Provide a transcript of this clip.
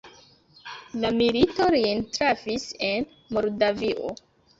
La milito lin trafis en Moldavio.